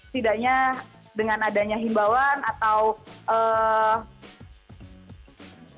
tidaknya dengan adanya himbauan atau